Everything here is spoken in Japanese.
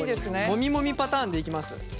モミモミパターンでいきます。